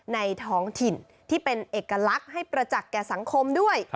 ท้องถิ่นที่เป็นเอกลักษณ์ให้ประจักษ์แก่สังคมด้วย